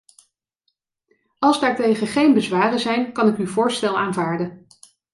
Als daartegen geen bezwaren zijn, kan ik uw voorstel aanvaarden.